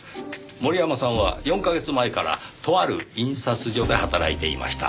森山さんは４カ月前からとある印刷所で働いていました。